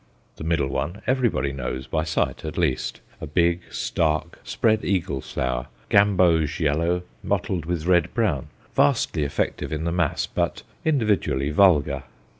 The middle one everybody knows, by sight at least, a big, stark, spread eagle flower, gamboge yellow mottled with red brown, vastly effective in the mass, but individually vulgar.